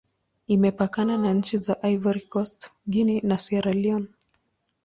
Imepakana na nchi za Ivory Coast, Guinea, na Sierra Leone.